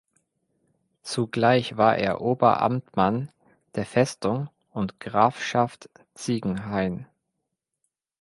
Zugleich war er Oberamtmann der Festung und Grafschaft Ziegenhain.